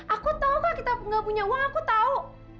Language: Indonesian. aku tahu kok kita gak punya uang aku tahu